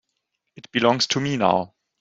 It belongs to me now.